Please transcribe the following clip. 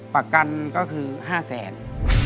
ประกันก็คือ๕๐๐๐๐๐บาท